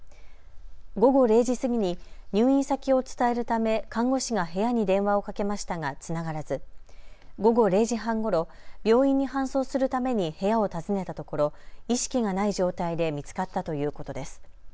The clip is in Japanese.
午後０時過ぎに入院先を伝えるため看護師が部屋に電話をかけましたがつながらず午後０時半ごろ病院に搬送するために部屋を訪ねたところ意識がない状態で見つかったということです。